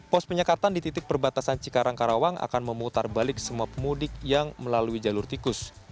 pos penyekatan di titik perbatasan cikarang karawang akan memutar balik semua pemudik yang melalui jalur tikus